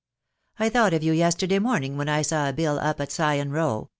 I thought ei yen yesterday morning when I saw a bill up at Sion Row